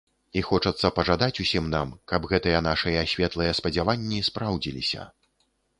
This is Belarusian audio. І хочацца пажадаць усім нам, каб гэтыя нашыя светлыя спадзяванні спраўдзіліся.